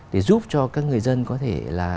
để giúp cho các người dân có thể